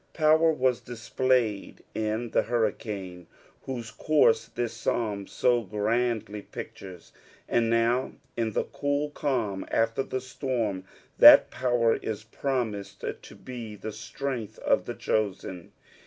Power was displayed in the hurricane whose course this Psalm so grandly pictures ; and now, in the cool calm after the storm, that power is promised to be the strength of the chosen.